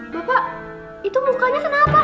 bapak itu mukanya kenapa